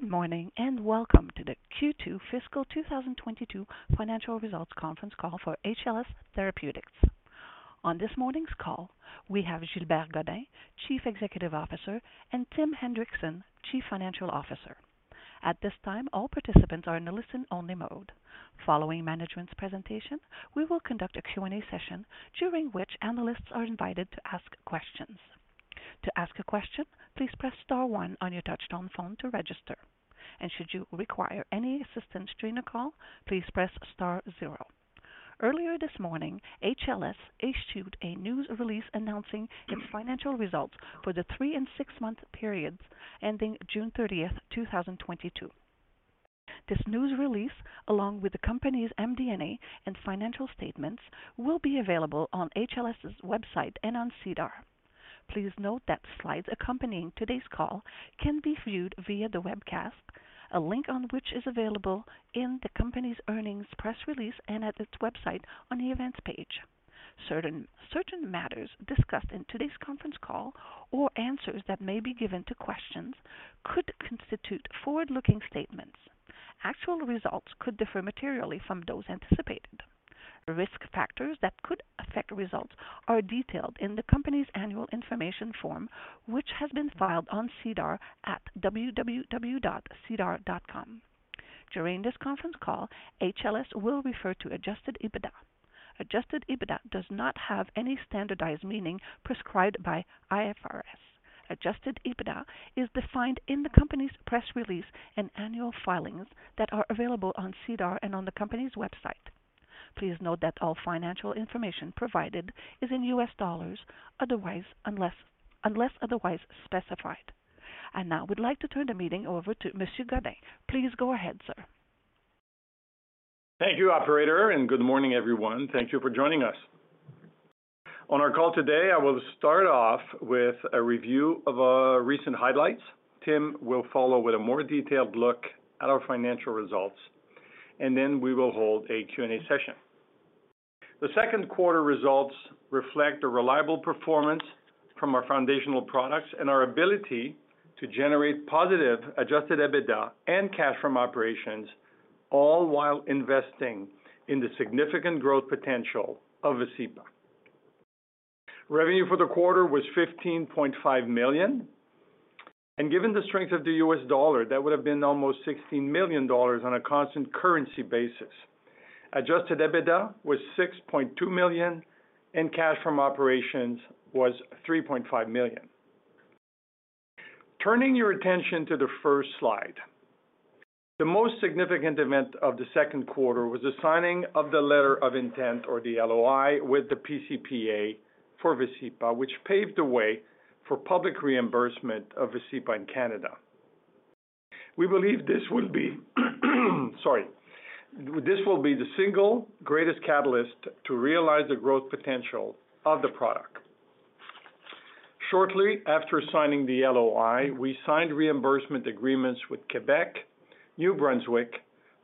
Good morning, and welcome to the Q2 fiscal 2022 financial results conference call for HLS Therapeutics. On this morning's call, we have Gilbert Godin, Chief Executive Officer, and Tim Hendrickson, Chief Financial Officer. At this time, all participants are in a listen-only mode. Following management's presentation, we will conduct a Q&A session during which analysts are invited to ask questions. To ask a question, please press star one on your touchtone phone to register, and should you require any assistance during the call, please press star zero. Earlier this morning, HLS issued a news release announcing its financial results for the three- and six-month periods ending June 30, 2022. This news release, along with the company's MD&A and financial statements, will be available on HLS's website and on SEDAR. Please note that slides accompanying today's call can be viewed via the webcast, a link on which is available in the company's earnings press release and at its website on the Events page. Certain matters discussed in today's conference call or answers that may be given to questions could constitute forward-looking statements. Actual results could differ materially from those anticipated. Risk factors that could affect results are detailed in the company's annual information form, which has been filed on SEDAR at www.sedar.com. During this conference call, HLS will refer to adjusted EBITDA. Adjusted EBITDA does not have any standardized meaning prescribed by IFRS. Adjusted EBITDA is defined in the company's press release and annual filings that are available on SEDAR and on the company's website. Please note that all financial information provided is in U.S. dollars unless otherwise specified. Now we'd like to turn the meeting over to Mr. Godin. Please go ahead, sir. Thank you, operator, and good morning, everyone. Thank you for joining us. On our call today, I will start off with a review of our recent highlights. Tim will follow with a more detailed look at our financial results, and then we will hold a Q&A session. The Q2 results reflect a reliable performance from our foundational products and our ability to generate positive adjusted EBITDA and cash from operations, all while investing in the significant growth potential of Vascepa. Revenue for the quarter was $15.5 million, and given the strength of the U.S. dollar, that would have been almost $16 million on a constant currency basis. Adjusted EBITDA was $6.2 million, and cash from operations was $3.5 million. Turning your attention to the first slide. The most significant event of the Q2 was the signing of the letter of intent or the LOI with the pCPA for Vascepa, which paved the way for public reimbursement of Vascepa in Canada. We believe this will be the single greatest catalyst to realize the growth potential of the product. Shortly after signing the LOI, we signed reimbursement agreements with Quebec, New Brunswick,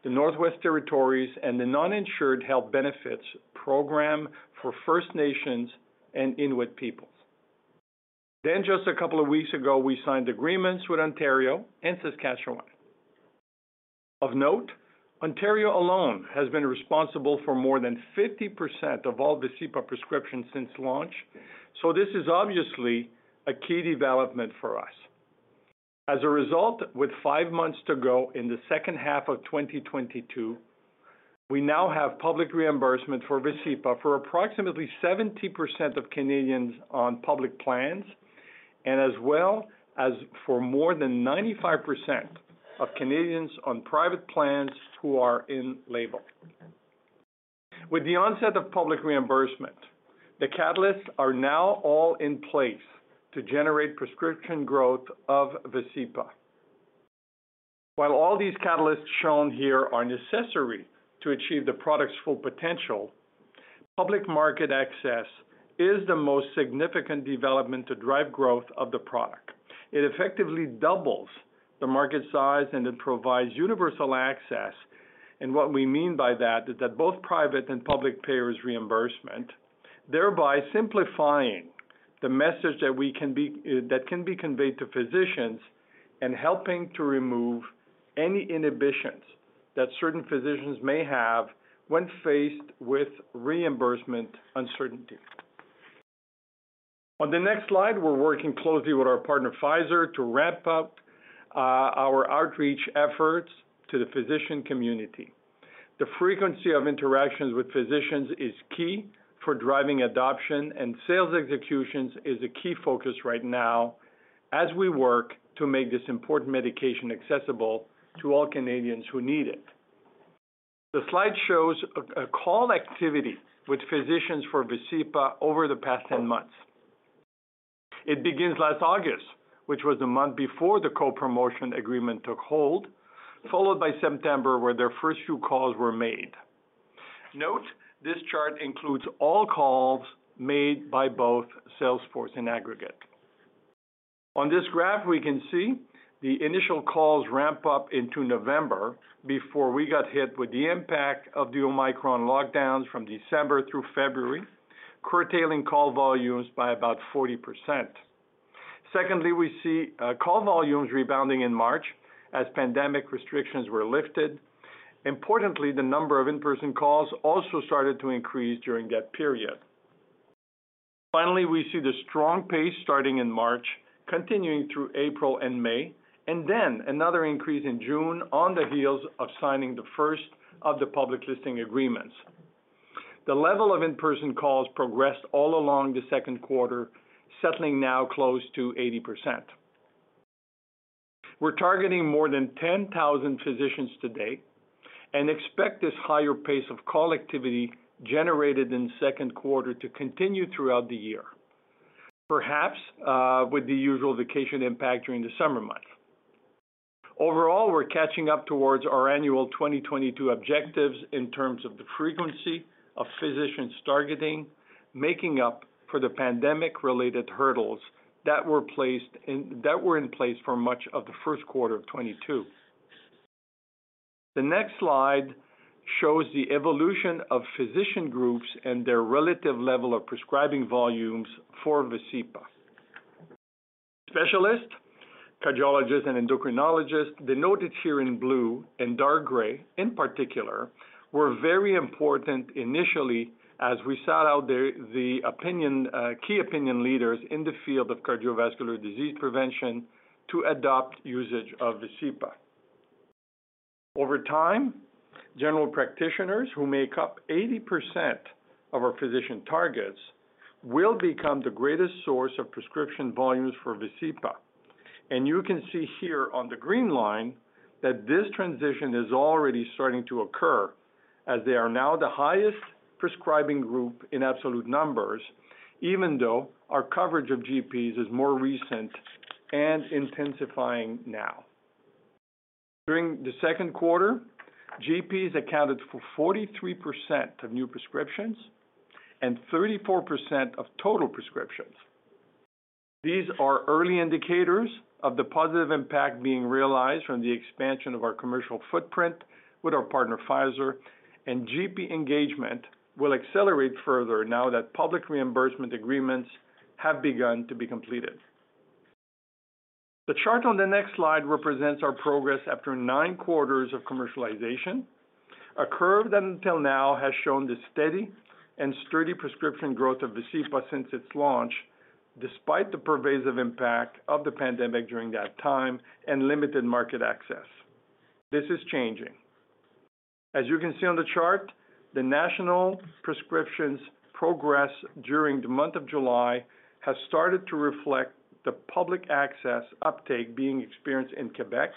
the Northwest Territories, and the Non-Insured Health Benefits program for First Nations and Inuit peoples. Just a couple of weeks ago, we signed agreements with Ontario and Saskatchewan. Of note, Ontario alone has been responsible for more than 50% of all Vascepa prescriptions since launch. This is obviously a key development for us. As a result, with five months to go in the H2 of 2022, we now have public reimbursement for Vascepa for approximately 70% of Canadians on public plans and as well as for more than 95% of Canadians on private plans who are in label. With the onset of public reimbursement, the catalysts are now all in place to generate prescription growth of Vascepa. While all these catalysts shown here are necessary to achieve the product's full potential, public market access is the most significant development to drive growth of the product. It effectively doubles the market size, and it provides universal access, and what we mean by that is that both private and public payers reimbursement, thereby simplifying the message that can be conveyed to physicians and helping to remove any inhibitions that certain physicians may have when faced with reimbursement uncertainty. On the next slide, we're working closely with our partner, Pfizer, to ramp up our outreach efforts to the physician community. The frequency of interactions with physicians is key for driving adoption, and sales executions is a key focus right now as we work to make this important medication accessible to all Canadians who need it. The slide shows a call activity with physicians for Vascepa over the past 10 months. It begins last August, which was the month before the co-promotion agreement took hold, followed by September, where their first few calls were made. Note, this chart includes all calls made by both sales force in aggregate. On this graph, we can see the initial calls ramp up into November before we got hit with the impact of the Omicron lockdowns from December through February, curtailing call volumes by about 40%. Secondly, we see call volumes rebounding in March as pandemic restrictions were lifted. Importantly, the number of in-person calls also started to increase during that period. Finally, we see the strong pace starting in March, continuing through April and May, and then another increase in June on the heels of signing the first of the public listing agreements. The level of in-person calls progressed all along the Q2, settling now close to 80%. We're targeting more than 10,000 physicians today and expect this higher pace of call activity generated in Q2 to continue throughout the year, perhaps with the usual vacation impact during the summer months. Overall, we're catching up towards our annual 2022 objectives in terms of the frequency of physicians targeting, making up for the pandemic-related hurdles that were in place for much of the Q1 of 2022. The next slide shows the evolution of physician groups and their relative level of prescribing volumes for Vascepa. Specialists, cardiologists, and endocrinologists denoted here in blue and dark gray, in particular, were very important initially as we sought out the key opinion leaders in the field of cardiovascular disease prevention to adopt usage of Vascepa. Over time, general practitioners who make up 80% of our physician targets will become the greatest source of prescription volumes for Vascepa. You can see here on the green line that this transition is already starting to occur as they are now the highest prescribing group in absolute numbers, even though our coverage of GPs is more recent and intensifying now. During the Q2, GPs accounted for 43% of new prescriptions and 34% of total prescriptions. These are early indicators of the positive impact being realized from the expansion of our commercial footprint with our partner, Pfizer, and GP engagement will accelerate further now that public reimbursement agreements have begun to be completed. The chart on the next slide represents our progress after nine quarters of commercialization, a curve that until now has shown the steady and sturdy prescription growth of Vascepa since its launch, despite the pervasive impact of the pandemic during that time and limited market access. This is changing. As you can see on the chart, the national prescriptions progress during the month of July has started to reflect the public access uptake being experienced in Quebec,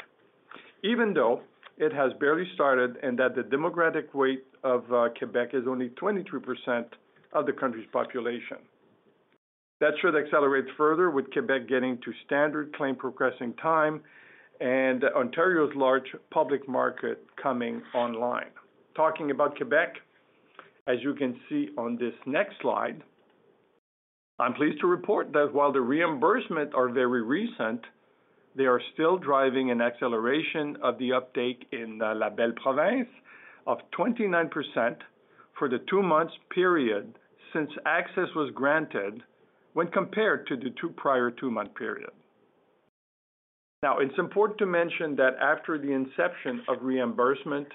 even though it has barely started and that the demographic weight of Quebec is only 22% of the country's population. That should accelerate further with Quebec getting to standard claim progressing time and Ontario's large public market coming online. Talking about Quebec, as you can see on this next slide, I'm pleased to report that while the reimbursements are very recent, they are still driving an acceleration of the uptake in La Belle Province of 29% for the 2-month period since access was granted when compared to the two prior 2-month periods. Now it's important to mention that after the inception of reimbursement,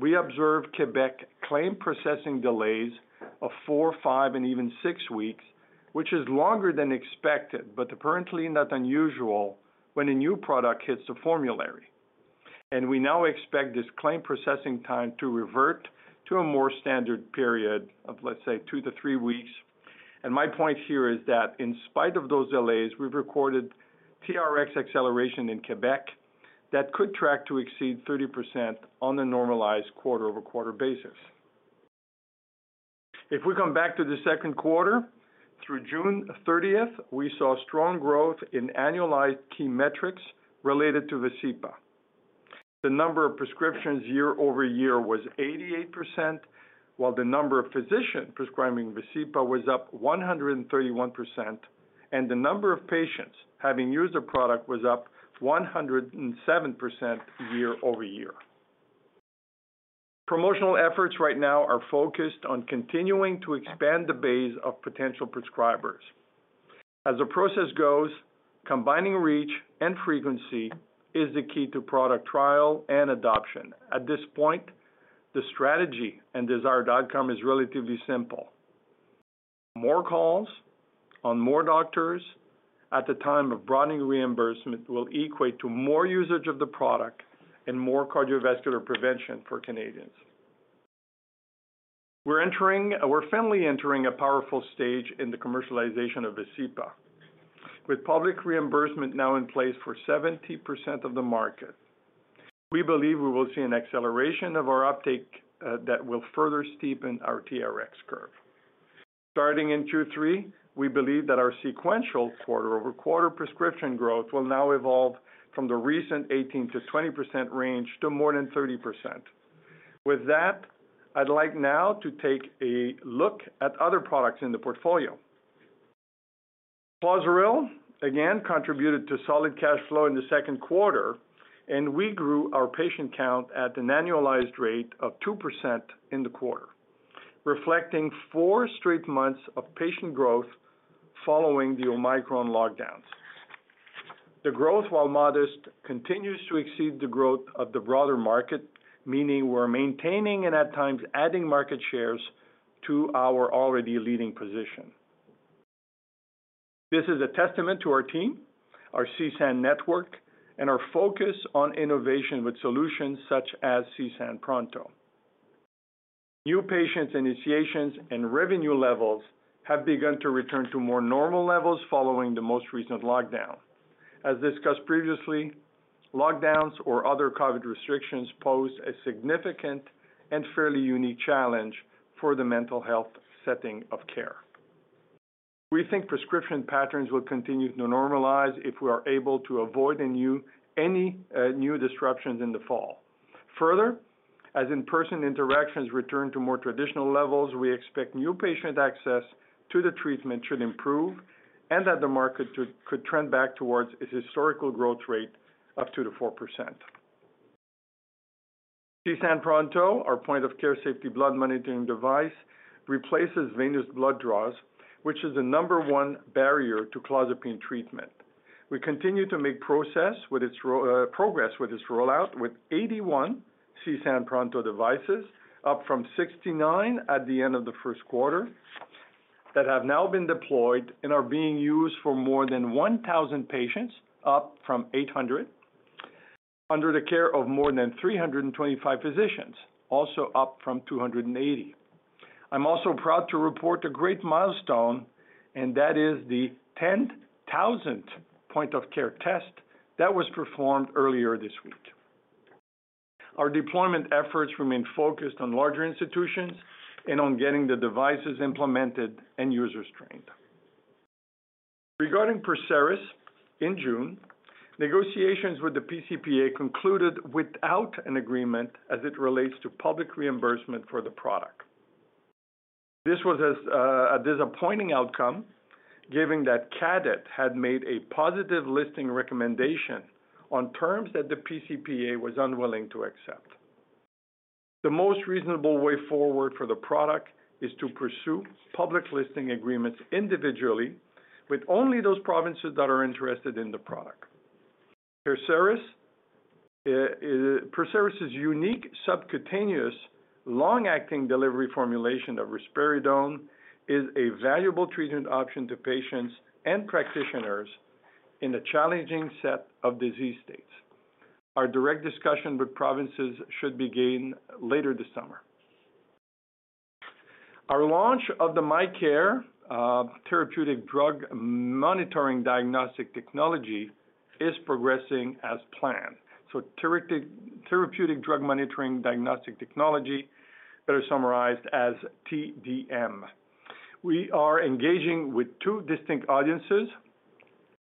we observed Quebec claim processing delays of four, five, and even six weeks, which is longer than expected, but apparently not unusual when a new product hits the formulary. We now expect this claim processing time to revert to a more standard period of, let's say, two-three weeks. My point here is that in spite of those delays, we've recorded TRX acceleration in Quebec that could track to exceed 30% on a normalized quarter-over-quarter basis. If we come back to the Q2, through June 30, we saw strong growth in annualized key metrics related to Vascepa. The number of prescriptions year-over-year was 88%, while the number of physicians prescribing Vascepa was up 131%, and the number of patients having used the product was up 107% year-over-year. Promotional efforts right now are focused on continuing to expand the base of potential prescribers. As the process goes, combining reach and frequency is the key to product trial and adoption. At this point, the strategy and desired outcome is relatively simple. More calls on more doctors at the time of broadening reimbursement will equate to more usage of the product and more cardiovascular prevention for Canadians. We're finally entering a powerful stage in the commercialization of Vascepa. With public reimbursement now in place for 70% of the market, we believe we will see an acceleration of our uptake, that will further steepen our TRX curve. Starting in Q3, we believe that our sequential quarter-over-quarter prescription growth will now evolve from the recent 18%-20% range to more than 30%. With that, I'd like now to take a look at other products in the portfolio. Clozaril again contributed to solid cash flow in the Q2, and we grew our patient count at an annualized rate of 2% in the quarter, reflecting four straight months of patient growth following the Omicron lockdowns. The growth, while modest, continues to exceed the growth of the broader market, meaning we're maintaining and at times adding market shares to our already leading position. This is a testament to our team, our CSAN network, and our focus on innovation with solutions such as CSAN Pronto. New patient initiations and revenue levels have begun to return to more normal levels following the most recent lockdown. As discussed previously, lockdowns or other COVID restrictions pose a significant and fairly unique challenge for the mental health setting of care. We think prescription patterns will continue to normalize if we are able to avoid any new disruptions in the fall. Further, as in-person interactions return to more traditional levels, we expect new patient access to the treatment should improve and that the market could trend back towards its historical growth rate of 2%-4%. CSAN Pronto, our point-of-care safety blood monitoring device, replaces venous blood draws, which is the number one barrier to clozapine treatment. We continue to make progress with its rollout with 81 CSAN Pronto devices, up from 69 at the end of the Q1, that have now been deployed and are being used for more than 1,000 patients, up from 800, under the care of more than 325 physicians, also up from 280. I'm also proud to report a great milestone, and that is the 10,000th point-of-care test that was performed earlier this week. Our deployment efforts remain focused on larger institutions and on getting the devices implemented and users trained. Regarding Perseris, in June, negotiations with the PCPA concluded without an agreement as it relates to public reimbursement for the product. This was a disappointing outcome, given that CADTH had made a positive listing recommendation on terms that the PCPA was unwilling to accept. The most reasonable way forward for the product is to pursue public listing agreements individually with only those provinces that are interested in the product. Perseris' unique subcutaneous long-acting delivery formulation of risperidone is a valuable treatment option to patients and practitioners in a challenging set of disease states. Our direct discussion with provinces should begin later this summer. Our launch of the MyCare therapeutic drug monitoring diagnostic technology is progressing as planned. Therapeutic drug monitoring diagnostic technology, better summarized as TDM. We are engaging with two distinct audiences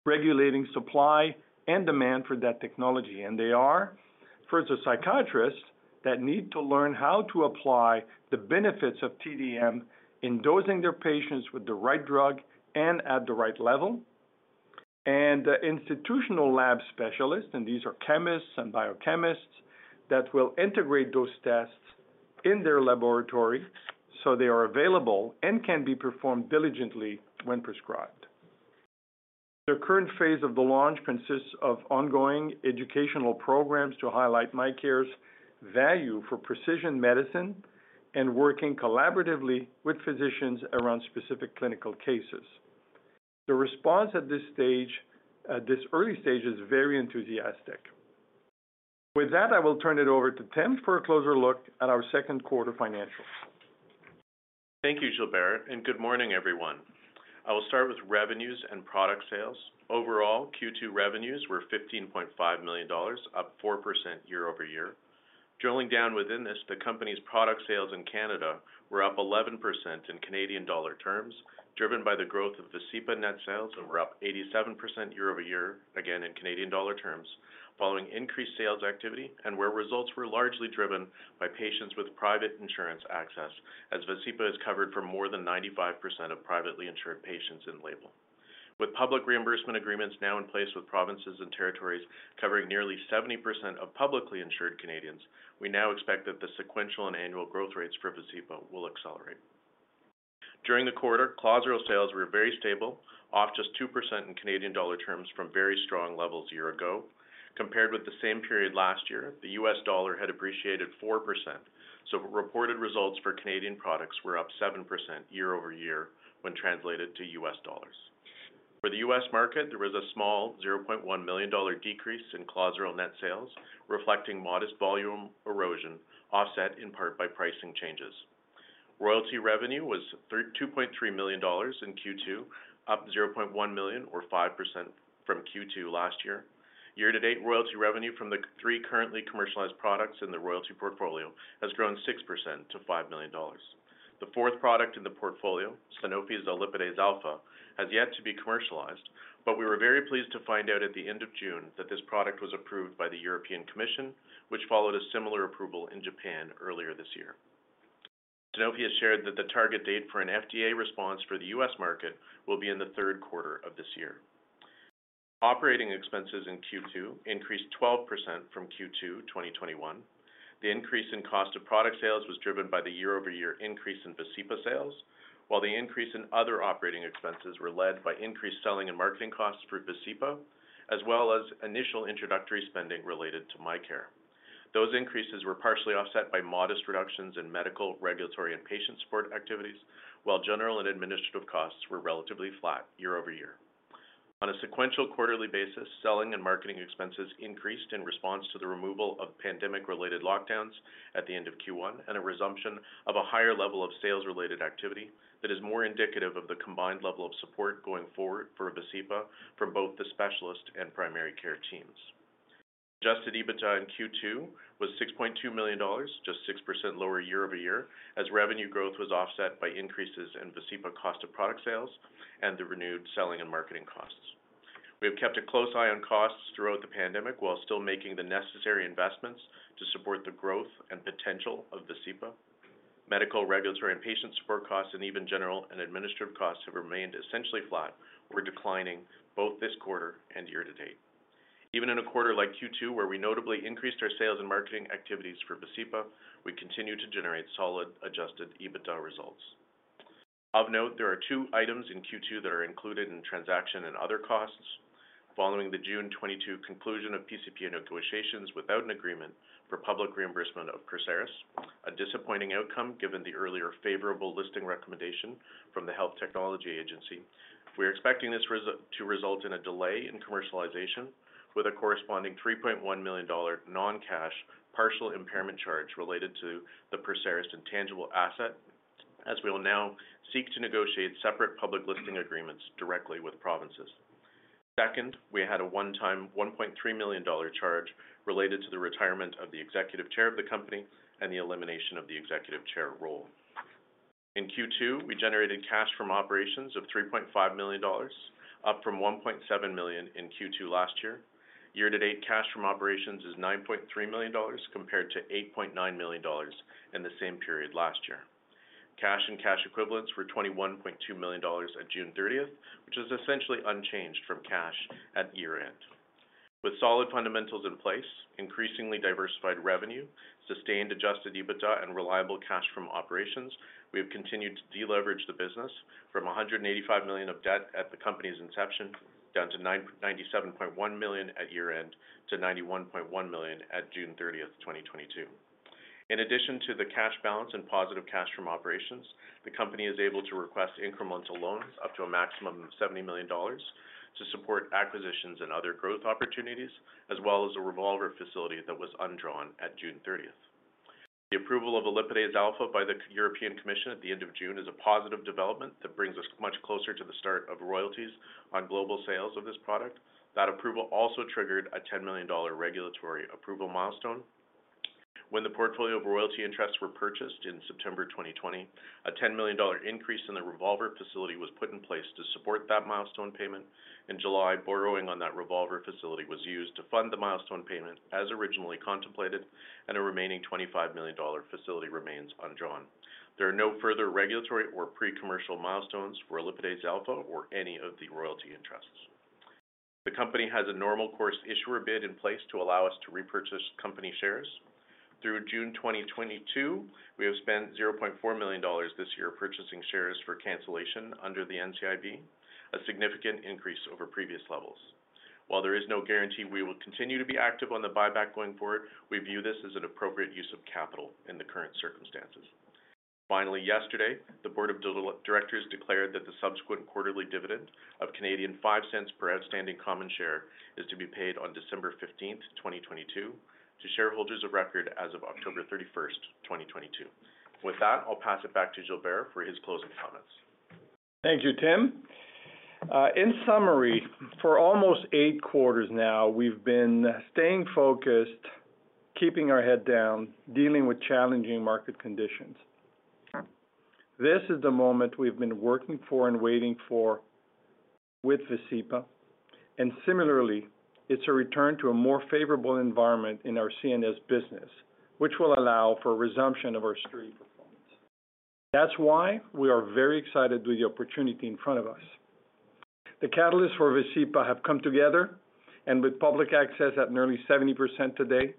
regulating supply and demand for that technology, and they are, first, the psychiatrists that need to learn how to apply the benefits of TDM in dosing their patients with the right drug and at the right level. The institutional lab specialists, and these are chemists and biochemists that will integrate those tests in their laboratory so they are available and can be performed diligently when prescribed. The current phase of the launch consists of ongoing educational programs to highlight MyCare's value for precision medicine and working collaboratively with physicians around specific clinical cases. The response at this stage, at this early stage, is very enthusiastic. With that, I will turn it over to Tim for a closer look at our Q2 financials. Thank you, Gilbert, and good morning, everyone. I will start with revenues and product sales. Overall, Q2 revenues were $15.5 million, up 4% year-over-year. Drilling down within this, the company's product sales in Canada were up 11% in Canadian dollar terms, driven by the growth of Vascepa net sales that were up 87% year-over-year, again in Canadian dollar terms, following increased sales activity and where results were largely driven by patients with private insurance access, as Vascepa is covered for more than 95% of privately insured patients in label. With public reimbursement agreements now in place with provinces and territories covering nearly 70% of publicly insured Canadians, we now expect that the sequential and annual growth rates for Vascepa will accelerate. During the quarter, Clozaril sales were very stable, off just 2% in Canadian dollar terms from very strong levels a year ago. Compared with the same period last year, the U.S. dollar had appreciated 4%, so reported results for Canadian products were up 7% year-over-year when translated to U.S. dollars. For the U.S. market, there was a small $0.1 million decrease in Clozaril net sales, reflecting modest volume erosion, offset in part by pricing changes. Royalty revenue was $2.3 million in Q2, up $0.1 million or 5% from Q2 last year. Year-to-date royalty revenue from the three currently commercialized products in the royalty portfolio has grown 6% to $5 million. The fourth product in the portfolio, Sanofi's olipudase alfa, has yet to be commercialized, but we were very pleased to find out at the end of June that this product was approved by the European Commission, which followed a similar approval in Japan earlier this year. Sanofi has shared that the target date for an FDA response for the U.S. market will be in the Q3 of this year. Operating expenses in Q2 increased 12% from Q2 2021. The increase in cost of product sales was driven by the year-over-year increase in Vascepa sales, while the increase in other operating expenses were led by increased selling and marketing costs for Vascepa, as well as initial introductory spending related to MyCare. Those increases were partially offset by modest reductions in medical, regulatory, and patient support activities, while general and administrative costs were relatively flat year over year. On a sequential quarterly basis, selling and marketing expenses increased in response to the removal of pandemic related lockdowns at the end of Q1 and a resumption of a higher level of sales related activity that is more indicative of the combined level of support going forward for Vascepa from both the specialist and primary care teams. Adjusted EBITDA in Q2 was $6.2 million, just 6% lower year-over-year, as revenue growth was offset by increases in Vascepa cost of product sales and the renewed selling and marketing costs. We have kept a close eye on costs throughout the pandemic while still making the necessary investments to support the growth and potential of Vascepa. Medical, regulatory, and patient support costs, and even general and administrative costs have remained essentially flat or declining both this quarter and year to date. Even in a quarter like Q2, where we notably increased our sales and marketing activities for Vascepa, we continue to generate solid adjusted EBITDA results. Of note, there are two items in Q2 that are included in transaction and other costs. Following the June 2022 conclusion of PCPA negotiations without an agreement for public reimbursement of Perseris, a disappointing outcome given the earlier favorable listing recommendation from the Health Technology Agency. We are expecting this to result in a delay in commercialization with a corresponding $3.1 million non-cash partial impairment charge related to the Perseris intangible asset, as we will now seek to negotiate separate public listing agreements directly with provinces. Second, we had a one-time $1.3 million charge related to the retirement of the executive chair of the company and the elimination of the executive chair role. In Q2, we generated cash from operations of $3.5 million, up from $1.7 million in Q2 last year. Year-to-date, cash from operations is $9.3 million compared to $8.9 million in the same period last year. Cash and cash equivalents were $21.2 million at June 30, which is essentially unchanged from cash at year-end. With solid fundamentals in place, increasingly diversified revenue, sustained adjusted EBITDA, and reliable cash from operations, we have continued to deleverage the business from $185 million of debt at the company's inception, down to $97.1 million at year-end to $91.1 million at June 30, 2022. In addition to the cash balance and positive cash from operations, the company is able to request incremental loans up to a maximum of $70 million to support acquisitions and other growth opportunities, as well as a revolver facility that was undrawn at June 30. The approval of Olipudase Alfa by the European Commission at the end of June is a positive development that brings us much closer to the start of royalties on global sales of this product. That approval also triggered a $10 million regulatory approval milestone. When the portfolio of royalty interests were purchased in September 2020, a $10 million increase in the revolver facility was put in place to support that milestone payment. In July, borrowing on that revolver facility was used to fund the milestone payment as originally contemplated, and a remaining $25 million facility remains undrawn. There are no further regulatory or pre-commercial milestones for Olipudase Alfa or any of the royalty interests. The company has a normal course issuer bid in place to allow us to repurchase company shares. Through June 2022, we have spent $0.4 million this year purchasing shares for cancellation under the NCIB, a significant increase over previous levels. While there is no guarantee we will continue to be active on the buyback going forward, we view this as an appropriate use of capital in the current circumstances. Yesterday, the board of directors declared that the subsequent quarterly dividend of 0.05 per outstanding common share is to be paid on December 15, 2022 to shareholders of record as of October 31, 2022. With that, I'll pass it back to Gilbert for his closing comments. Thank you, Tim. In summary, for almost eight quarters now, we've been staying focused, keeping our head down, dealing with challenging market conditions. This is the moment we've been working for and waiting for with Vascepa, and similarly, it's a return to a more favorable environment in our CNS business, which will allow for resumption of our steady performance. That's why we are very excited with the opportunity in front of us. The catalysts for Vascepa have come together, and with public access at nearly 70% today,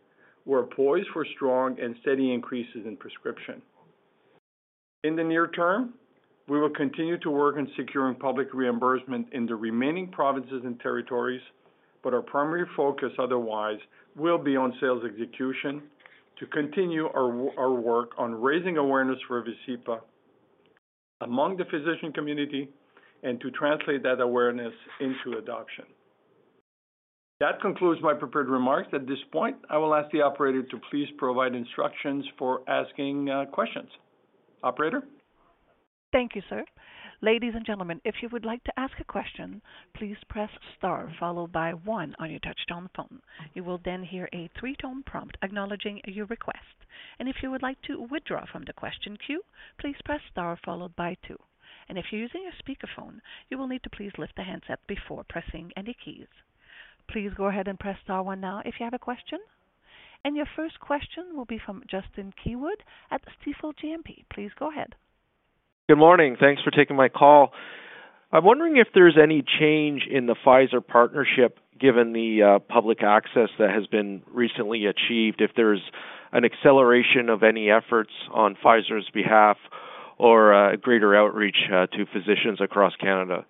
we're poised for strong and steady increases in prescription. In the near term, we will continue to work on securing public reimbursement in the remaining provinces and territories, but our primary focus otherwise will be on sales execution to continue our work on raising awareness for Vascepa among the physician community and to translate that awareness into adoption. That concludes my prepared remarks. At this point, I will ask the operator to please provide instructions for asking questions. Operator? Thank you, sir. Ladies and gentlemen, if you would like to ask a question, please press star followed by one on your touchtone phone. You will then hear a three-tone prompt acknowledging your request. If you would like to withdraw from the question queue, please press star followed by two. If you're using a speakerphone, you will need to please lift the handset before pressing any keys. Please go ahead and press star one now if you have a question. Your first question will be from Justin Keywood at Stifel GMP. Please go ahead. Good morning. Thanks for taking my call. I'm wondering if there's any change in the Pfizer partnership, given the public access that has been recently achieved, if there's an acceleration of any efforts on Pfizer's behalf or greater outreach to physicians across Canada?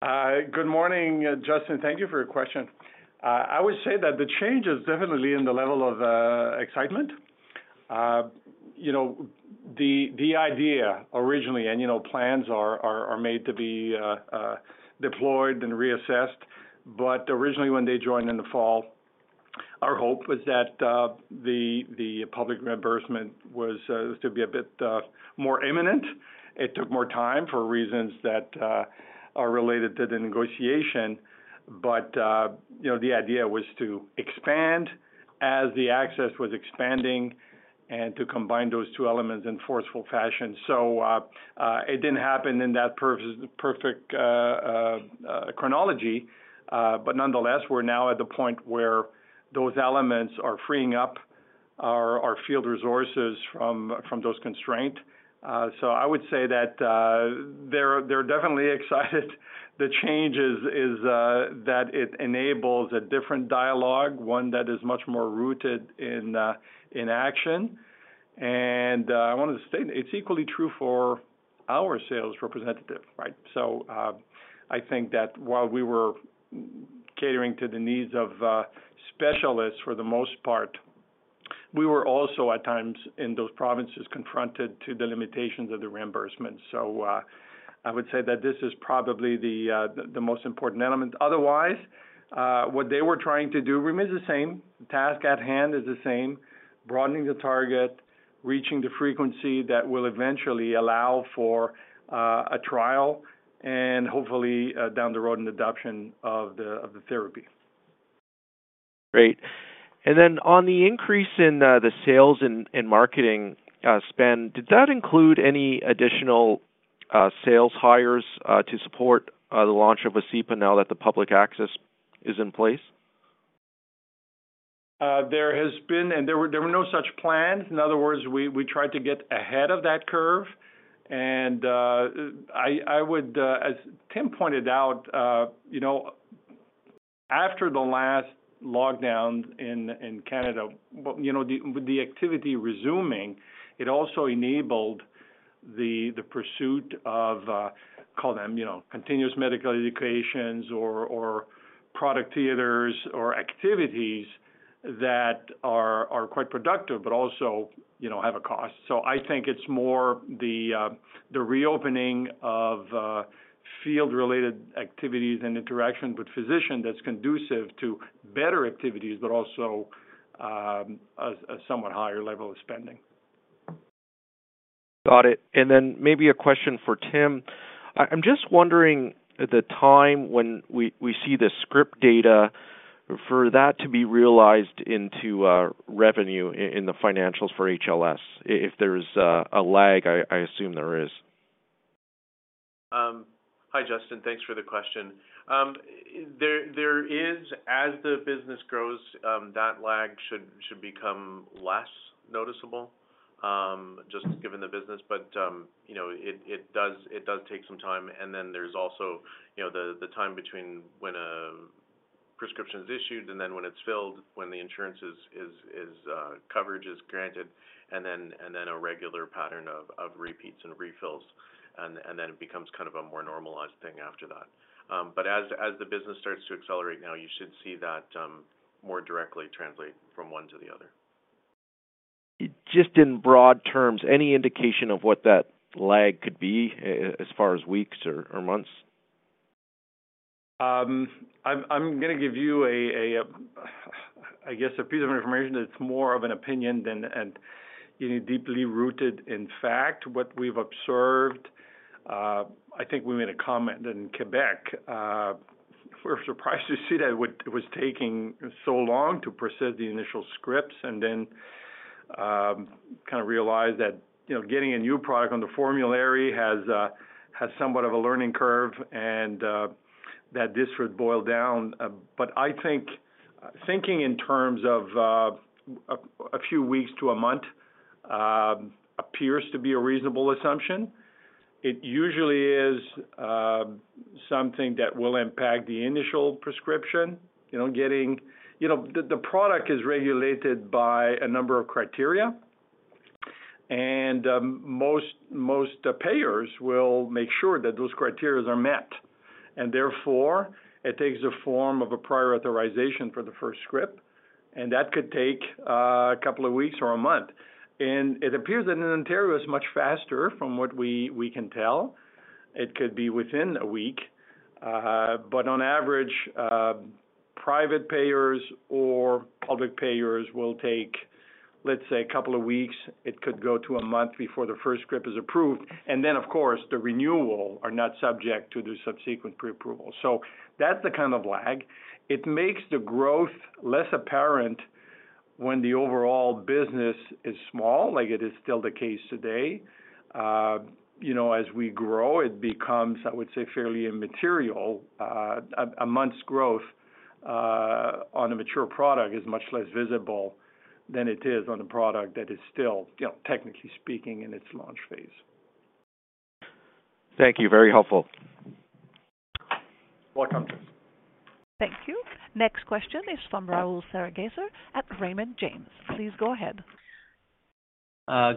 Good morning, Justin. Thank you for your question. I would say that the change is definitely in the level of excitement. You know, the idea originally, and you know, plans are made to be deployed and reassessed. Originally when they joined in the fall, our hope was that the public reimbursement was to be a bit more imminent. It took more time for reasons that are related to the negotiation. You know, the idea was to expand as the access was expanding and to combine those two elements in forceful fashion. It didn't happen in that perfect chronology. Nonetheless, we're now at the point where those elements are freeing up our field resources from those constraints. I would say that they're definitely excited. The change is that it enables a different dialogue, one that is much more rooted in action. I wanted to state it's equally true for our sales representative, right? I think that while we were catering to the needs of specialists for the most part, we were also at times in those provinces confronted with the limitations of the reimbursement. I would say that this is probably the most important element. Otherwise, what they were trying to do remains the same. Task at hand is the same, broadening the target, reaching the frequency that will eventually allow for a trial and hopefully down the road, an adoption of the therapy. Great. On the increase in the sales and marketing spend, did that include any additional sales hires to support the launch of Vascepa now that the public access is in place? There has been, and there were no such plans. In other words, we tried to get ahead of that curve. I would, as Tim pointed out, you know, after the last lockdown in Canada, you know, the activity resuming, it also enabled the pursuit of, call them, you know, continuing medical education or product theaters or activities that are quite productive, but also, you know, have a cost. I think it's more the reopening of field-related activities and interaction with physicians that's conducive to better activities, but also a somewhat higher level of spending. Got it. Maybe a question for Tim. I'm just wondering the time when we see the script data for that to be realized into revenue in the financials for HLS, if there's a lag. I assume there is. Hi, Justin. Thanks for the question. There is, as the business grows, that lag should become less noticeable, just given the business. You know, it does take some time. There's also, you know, the time between when a prescription is issued and then when it's filled, when the insurance coverage is granted, and then a regular pattern of repeats and refills, and then it becomes kind of a more normalized thing after that. As the business starts to accelerate now, you should see that more directly translate from one to the other. Just in broad terms, any indication of what that lag could be as far as weeks or months? I'm gonna give you a I guess a piece of information that's more of an opinion than and, you know, deeply rooted in fact, what we've observed. I think we made a comment in Quebec, we're surprised to see that was taking so long to process the initial scripts and then, kind of realize that, you know, getting a new product on the formulary has somewhat of a learning curve and, that this would boil down. I think thinking in terms of a few weeks to a month appears to be a reasonable assumption. It usually is something that will impact the initial prescription. You know, getting the product is regulated by a number of criteria. Most payers will make sure that those criteria are met, and therefore it takes a form of a prior authorization for the first script, and that could take a couple of weeks or a month. It appears that in Ontario, it's much faster from what we can tell. It could be within a week. On average, private payers or public payers will take, let's say, a couple of weeks. It could go to a month before the first script is approved. Then of course, the renewal are not subject to the subsequent pre-approval. That's the kind of lag. It makes the growth less apparent when the overall business is small, like it is still the case today, as we grow, it becomes, I would say, fairly immaterial. A month's growth on a mature product is much less visible than it is on a product that is still, you know, technically speaking, in its launch phase. Thank you. Very helpful. More questions. Thank you. Next question is from Rahul Sarugaser at Raymond James. Please go ahead.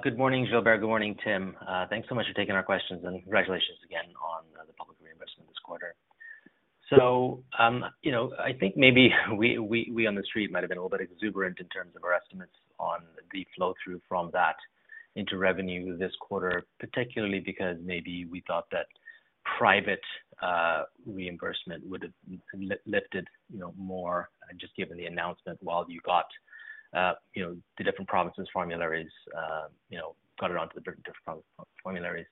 Good morning, Gilbert. Good morning, Tim. Thanks so much for taking our questions, and congratulations again on the public reimbursement this quarter. You know, I think maybe we on the street might have been a little bit exuberant in terms of our estimates on the flow-through from that into revenue this quarter, particularly because maybe we thought that private reimbursement would have lifted, you know, more just given the announcement while you got, you know, the different provinces' formularies, you know, got it onto the different formularies.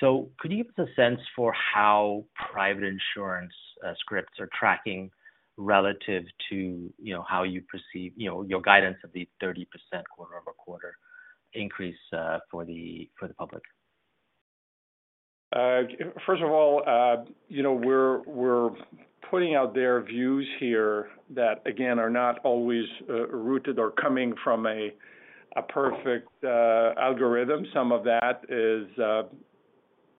Could you give us a sense for how private insurance scripts are tracking relative to, you know, how you perceive, you know, your guidance of the 30% quarter-over-quarter increase for the public? First of all, you know, we're putting out their views here that, again, are not always rooted or coming from a perfect algorithm. Some of that is,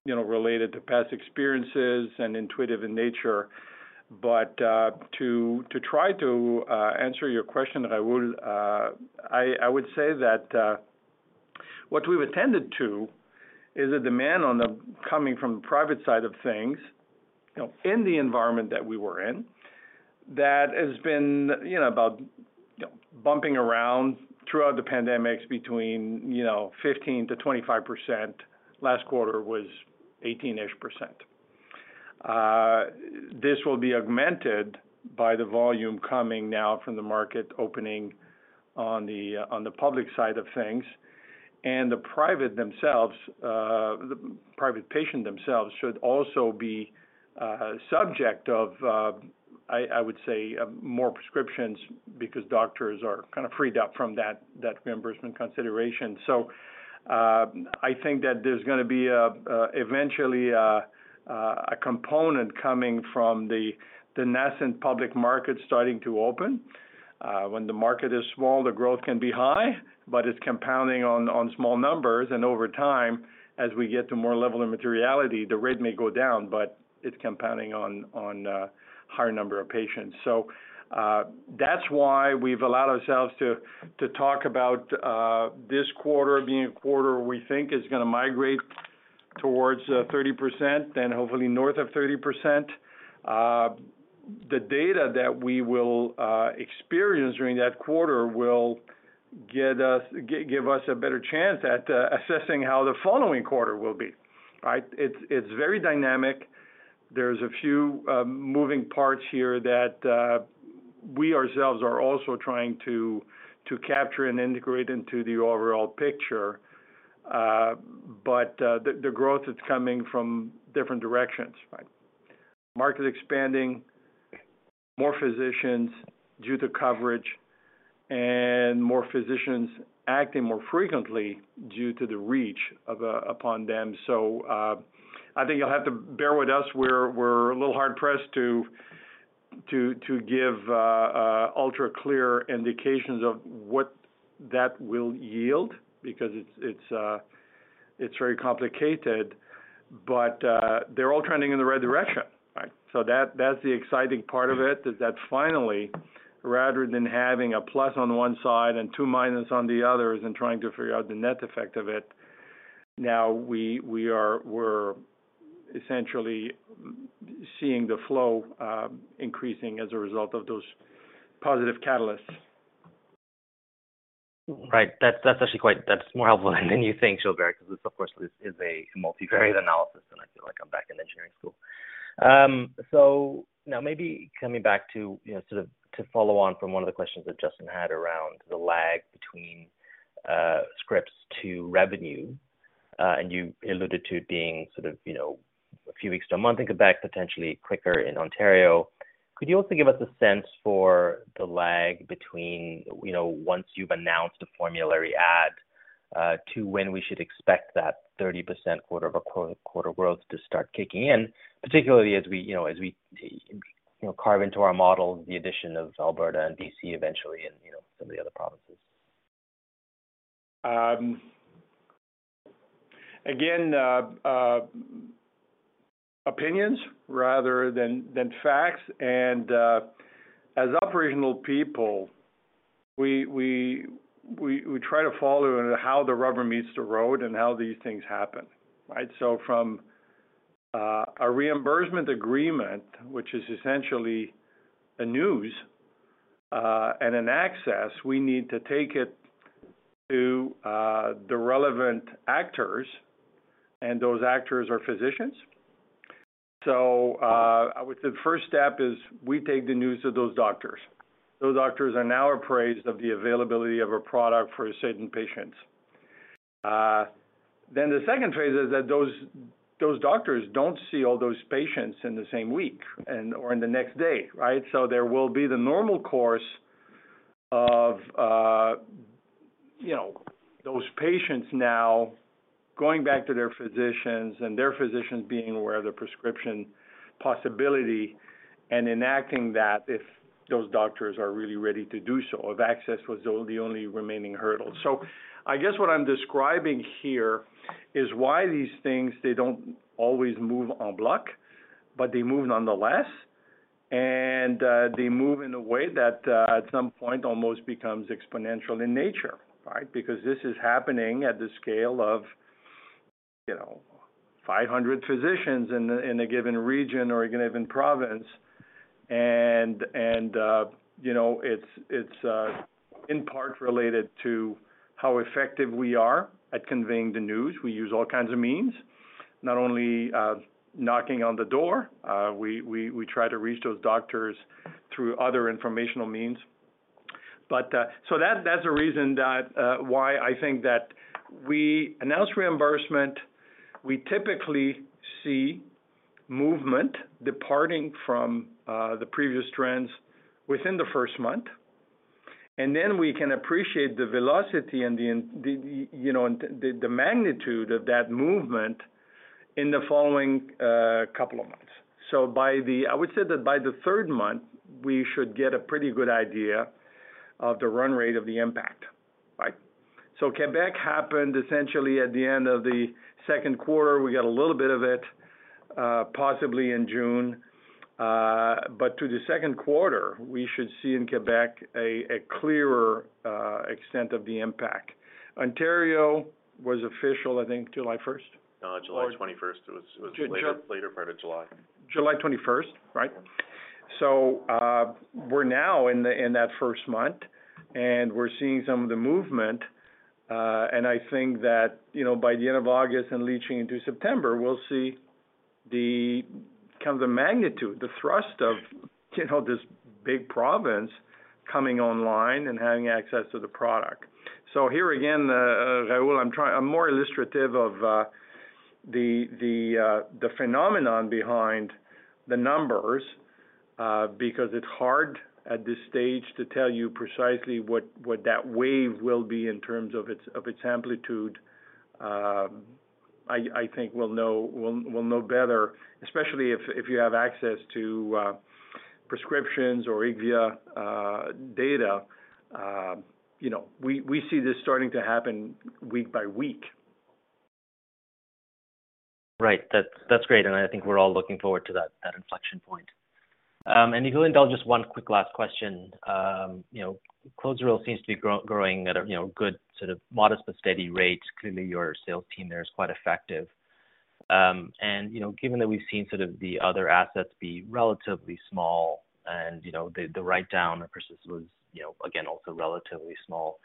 you know, related to past experiences and intuitive in nature. To try to answer your question, Rahul, I would say that what we've attended to is a demand coming from the private side of things, you know, in the environment that we were in that has been, you know, about, you know, bumping around throughout the pandemic between 15%-25%. Last quarter was 18-ish%. This will be augmented by the volume coming now from the market opening on the public side of things. The private patients themselves should also be subject to I would say more prescriptions because doctors are kind of freed up from that reimbursement consideration. I think that there's gonna be eventually a component coming from the nascent public market starting to open. When the market is small, the growth can be high, but it's compounding on small numbers, and over time, as we get to more level of materiality, the rate may go down, but it's compounding on higher number of patients. That's why we've allowed ourselves to talk about this quarter being a quarter we think is gonna migrate towards 30%, then hopefully north of 30%. The data that we will experience during that quarter give us a better chance at assessing how the following quarter will be, right? It's very dynamic. There's a few moving parts here that we ourselves are also trying to capture and integrate into the overall picture. The growth is coming from different directions, right? Market expanding, more physicians due to coverage, and more physicians acting more frequently due to the reach upon them. I think you'll have to bear with us. We're a little hard pressed to give ultra-clear indications of what that will yield because it's very complicated, but they're all trending in the right direction, right? That, that's the exciting part of it is that finally, rather than having a plus on one side and two minuses on the other and trying to figure out the net effect of it, now we're essentially seeing the flow increasing as a result of those positive catalysts. Right. That's more helpful than you think, Gilbert, because this, of course, this is a multivariate analysis, and I feel like I'm back in engineering school. Now maybe coming back to, you know, sort of to follow on from one of the questions that Justin had around the lag between scripts to revenue, and you alluded to it being sort of, you know, a few weeks to a month in Quebec, potentially quicker in Ontario. Could you also give us a sense for the lag between, you know, once you've announced a formulary add to when we should expect that 30% quarter-over-quarter growth to start kicking in, particularly as we, you know, carve into our model the addition of Alberta and BC eventually and, you know, some of the other provinces? Again, opinions rather than facts. As operational people, we try to follow how the rubber meets the road and how these things happen, right? From a reimbursement agreement, which is essentially a news and an access, we need to take it to the relevant actors, and those actors are physicians. I would say the first step is we take the news to those doctors. Those doctors are now appraised of the availability of a product for certain patients. The phase II is that those doctors don't see all those patients in the same week and/or in the next day, right? There will be the normal course of, you know, those patients now going back to their physicians and their physicians being aware of the prescription possibility and enacting that if those doctors are really ready to do so, if access was the only remaining hurdle. I guess what I'm describing here is why these things, they don't always move en bloc, but they move nonetheless. They move in a way that, at some point almost becomes exponential in nature, right? Because this is happening at the scale of, you know, 500 physicians in a given region or a given province. You know, it's in part related to how effective we are at conveying the news. We use all kinds of means, not only knocking on the door. We try to reach those doctors through other informational means. That’s a reason why I think that we announce reimbursement. We typically see movement departing from the previous trends within the first month, and then we can appreciate the velocity and the, you know, the magnitude of that movement in the following couple of months. By the third month, I would say, we should get a pretty good idea of the run rate of the impact, right? Quebec happened essentially at the end of the Q2. We got a little bit of it, possibly in June. In the Q2, we should see in Quebec a clearer extent of the impact. Ontario was official, I think July first. No, July 21st. It was later part of July. July 21st. Right. We're now in that first month and we're seeing some of the movement. I think that, you know, by the end of August and reaching into September, we'll see the kind of magnitude, the thrust of, you know, this big province coming online and having access to the product. Here again, Rahul, I'm more illustrative of the phenomenon behind the numbers, because it's hard at this stage to tell you precisely what that wave will be in terms of its amplitude. I think we'll know better, especially if you have access to prescriptions or IQVIA data. You know, we see this starting to happen week by week. Right. That's great. I think we're all looking forward to that inflection point. If you'll indulge just one quick last question. You know, Clozaril seems to be growing at a you know good sort of modest but steady rate. Clearly your sales team there is quite effective. You know, given that we've seen sort of the other assets be relatively small and, you know, the write-down, of course, was, you know, again, also relatively small.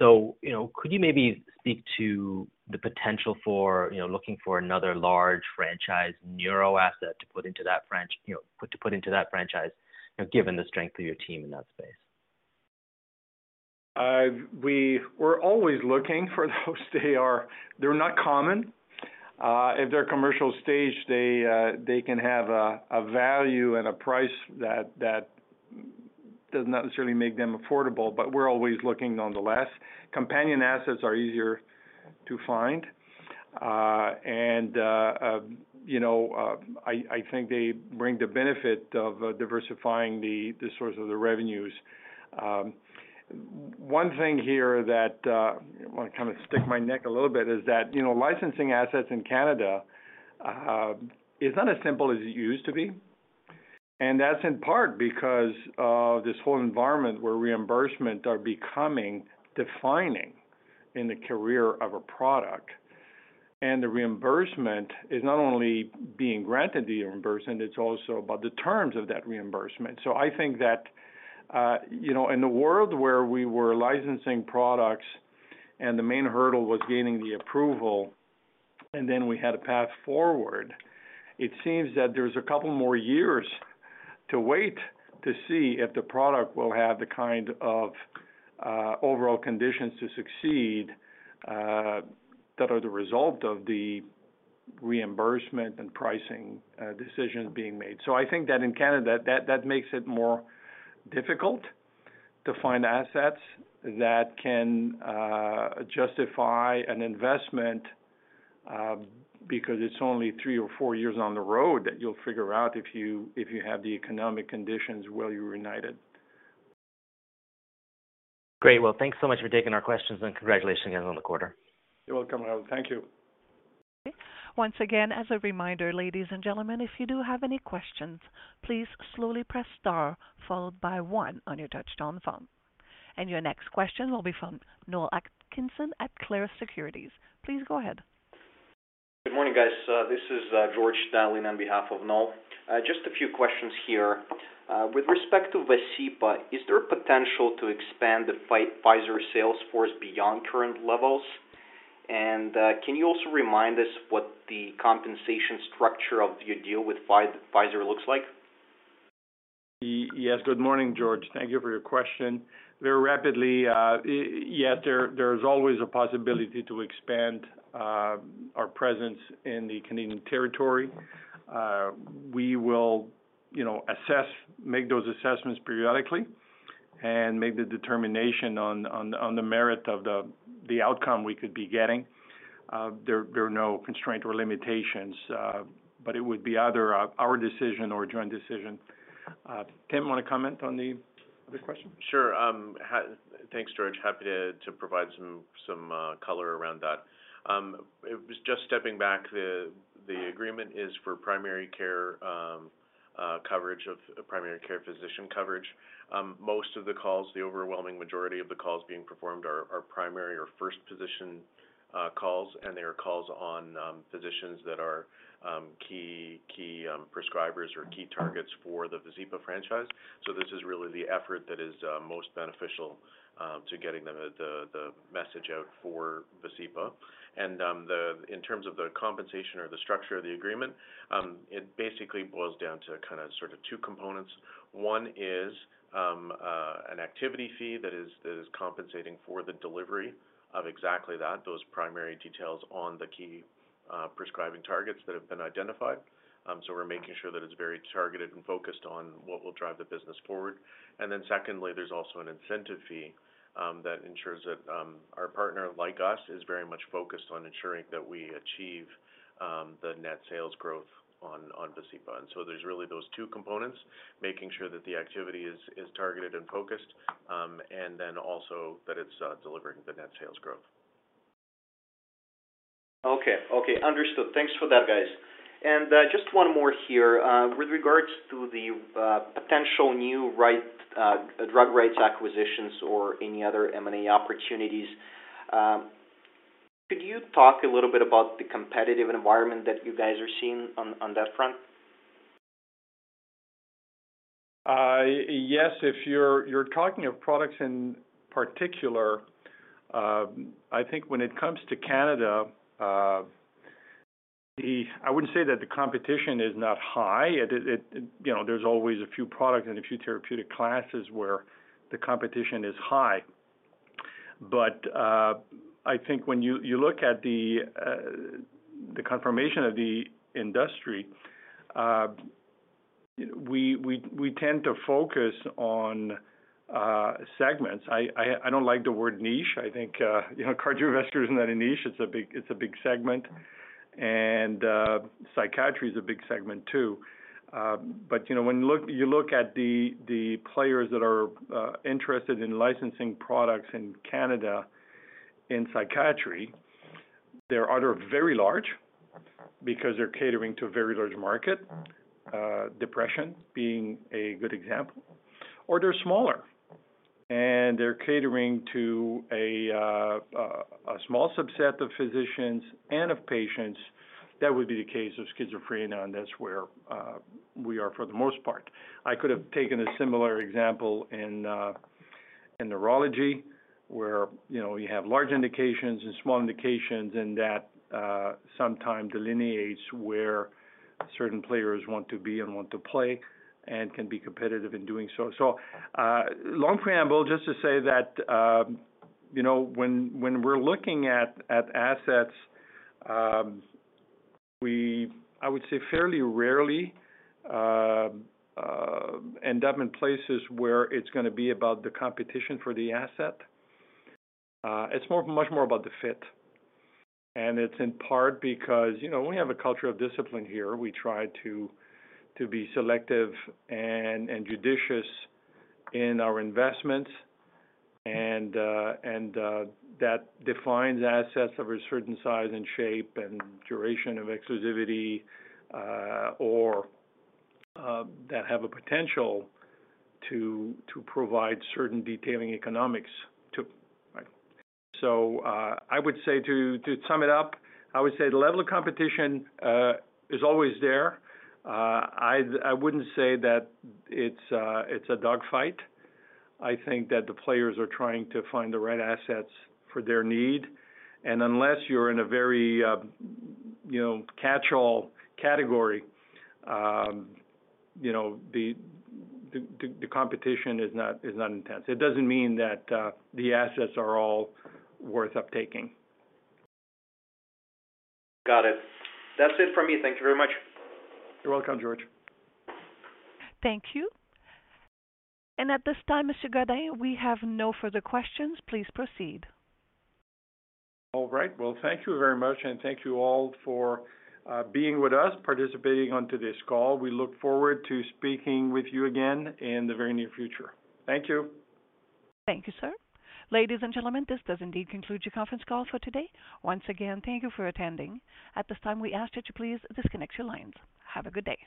You know, could you maybe speak to the potential for, you know, looking for another large franchise neuro asset to put into that franchise, you know, given the strength of your team in that space? We're always looking for those. They're not common. At their commercial stage, they can have a value and a price that does not necessarily make them affordable. We're always looking nonetheless. Companion assets are easier to find. You know, I think they bring the benefit of diversifying the source of the revenues. One thing here that I want to kind of stick my neck a little bit is that, you know, licensing assets in Canada is not as simple as it used to be. That's in part because of this whole environment where reimbursement are becoming defining in the career of a product. The reimbursement is not only being granted the reimbursement, it's also about the terms of that reimbursement. I think that, you know, in a world where we were licensing products and the main hurdle was gaining the approval, and then we had a path forward, it seems that there's a couple more years to wait to see if the product will have the kind of overall conditions to succeed that are the result of the reimbursement and pricing decisions being made. I think that in Canada, that makes it more difficult to find assets that can justify an investment because it's only three or four years on the road that you'll figure out if you have the economic conditions where you're united. Great. Well, thanks so much for taking our questions and congratulations on the quarter. You're welcome, Rahul. Thank you. Once again, as a reminder, ladies and gentlemen, if you do have any questions, please slowly press star followed by one on your touchtone phone. Your next question will be from Noel Atkinson at Clarus Securities. Please go ahead. Good morning, guys. This is George Ulybyshev on behalf of Noel. Just a few questions here. With respect to Vascepa, is there potential to expand the Pfizer sales force beyond current levels? Can you also remind us what the compensation structure of your deal with Pfizer looks like? Yes. Good morning, George. Thank you for your question. Very rapidly, yes, there's always a possibility to expand our presence in the Canadian territory. We will, you know, make those assessments periodically and make the determination on the merit of the outcome we could be getting. There are no constraints or limitations, but it would be either our decision or a joint decision. Tim, you wanna comment on the question? Sure. Thanks, George. Happy to provide some color around that. It was just stepping back. The agreement is for primary care coverage of primary care physician coverage. Most of the calls, the overwhelming majority of the calls being performed are primary or first position calls, and they are calls on physicians that are key prescribers or key targets for the Vascepa franchise. This is really the effort that is most beneficial to getting the message out for Vascepa. In terms of the compensation or the structure of the agreement, it basically boils down to kind of sort of two components. One is an activity fee that is compensating for the delivery of exactly that, those primary details on the key prescribing targets that have been identified. We're making sure that it's very targeted and focused on what will drive the business forward. Secondly, there's also an incentive fee that ensures that our partner, like us, is very much focused on ensuring that we achieve the net sales growth on Vascepa. There's really those two components, making sure that the activity is targeted and focused, and then also that it's delivering the net sales growth. Okay. Understood. Thanks for that, guys. Just one more here. With regards to the potential drug rights acquisitions or any other M&A opportunities, could you talk a little bit about the competitive environment that you guys are seeing on that front? Yes, if you're talking of products in particular, I think when it comes to Canada, I wouldn't say that the competition is not high. It, you know, there's always a few products and a few therapeutic classes where the competition is high. I think when you look at the confirmation of the industry, we tend to focus on segments. I don't like the word niche. I think, you know, cardiovascular isn't a niche. It's a big segment, and psychiatry is a big segment, too. You know, when you look at the players that are interested in licensing products in Canada, in psychiatry, they're either very large because they're catering to a very large market, depression being a good example, or they're smaller, and they're catering to a small subset of physicians and of patients. That would be the case of schizophrenia, and that's where we are for the most part. I could have taken a similar example in neurology, where you know, you have large indications and small indications, and that sometimes delineates where certain players want to be and want to play and can be competitive in doing so. Long preamble, just to say that, you know, when we're looking at assets, we I would say fairly rarely end up in places where it's gonna be about the competition for the asset. It's much more about the fit. It's in part because, you know, we have a culture of discipline here. We try to be selective and judicious in our investments, and that defines assets of a certain size and shape and duration of exclusivity, or that have a potential to provide certain detailing economics, too. I would say to sum it up, I would say the level of competition is always there. I wouldn't say that it's a dogfight. I think that the players are trying to find the right assets for their need. Unless you're in a very, you know, catch-all category, you know, the competition is not intense. It doesn't mean that the assets are all worth uptaking. Got it. That's it from me. Thank you very much. You're welcome, George. Thank you. At this time, Mr. Godin, we have no further questions. Please proceed. All right. Well, thank you very much. Thank you all for being with us, participating onto this call. We look forward to speaking with you again in the very near future. Thank you. Thank you, sir. Ladies and gentlemen, this does indeed conclude your conference call for today. Once again, thank you for attending. At this time, we ask that you please disconnect your lines. Have a good day.